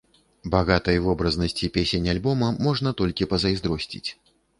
Багатай вобразнасці песень альбома можна толькі пазайздросціць.